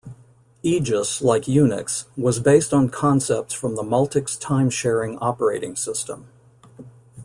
Aegis, like Unix, was based on concepts from the Multics time sharing operating system.